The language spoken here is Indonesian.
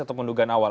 atau pendugaan awal